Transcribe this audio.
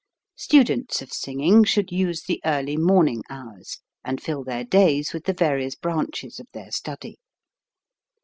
Students of singing should use the early morning hours, and fill their days with the various branches of their study.